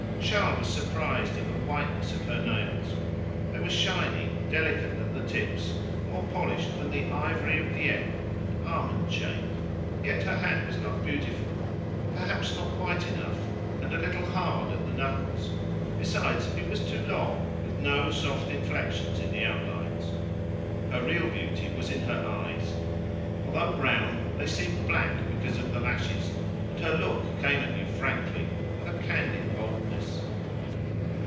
Charles was surprised at the whiteness of her nails. They were shiny, delicate at the tips, more polished than the ivory of Dieppe, and almond shaped. Yet her hand was not beautiful, perhaps not white enough, and a little hard at the knuckles; besides, it was too long, with no soft inflections in the outlines. Her real beauty was in her eyes. Although brown, they seemed black because of the lashes, and her look came at you frankly, with a candid boldness.